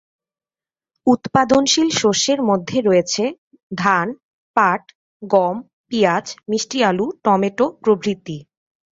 উৎপাদনশীল শস্যের মধ্যে রয়েছে ধান, পাট, গম, পিঁয়াজ, মিষ্টি আলু, টমেটো প্রভৃতি।